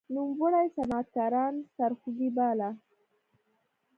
نوموړي صنعتکاران سرخوږی باله.